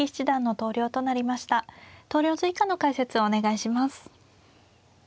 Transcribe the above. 投了図以下の解説をお願いします。